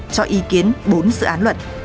cho ý kiến bốn sự án luật